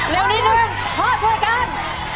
เร็วนิดหนึ่งพ่อช่วยกัน